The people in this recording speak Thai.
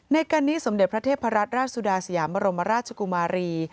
การนี้สมเด็จพระเทพรัตนราชสุดาสยามบรมราชกุมารี